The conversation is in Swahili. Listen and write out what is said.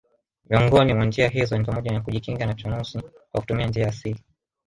Miongoni mwa njia hizo ni pamoja na kuukinga na chunusi kwa kutumia njia asili